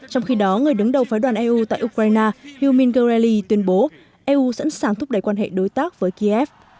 trong khi đó người đứng đầu phái đoàn eu tại ukraine yuming guelli tuyên bố eu sẵn sàng thúc đẩy quan hệ đối tác với kiev